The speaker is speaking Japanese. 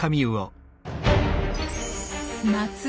夏。